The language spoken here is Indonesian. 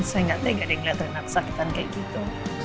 saya nggak tega deh ngeliat rena kesakitan kayak gitu